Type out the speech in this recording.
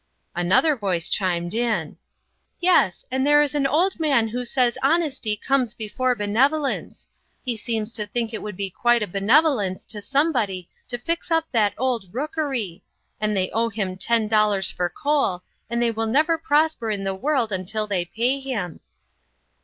Another voice chimed in :" Yes ; and there is an old man who says honesty comes before benevolence. He seems to think it would be quite a benevo lence to somebody to fix up that old rook ery ; and they owe him ten dollars for coal, and they will never prosper in the world until they pay him."